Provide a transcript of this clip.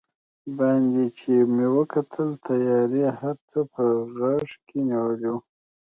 باندې چې مې وکتل، تیارې هر څه په غېږ کې نیولي و.